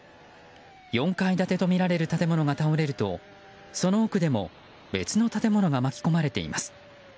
４階建てとみられる建物が倒れると、その奥でも別の建物が巻き込まれています。